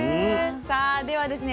さあではですね